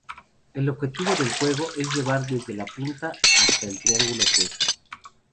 El objetivo del juego es llevar desde una punta hasta el triángulo opuesto.